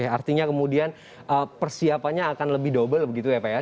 artinya kemudian persiapannya akan lebih double begitu ya pak ya